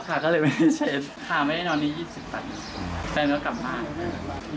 ข้าไม่ได้นอนนี้๒๐ปันแปลงแล้วกลับมา